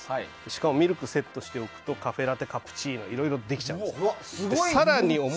しかもミルクをセットしておくとカフェラテ、カプチーノいろいろできちゃうんです。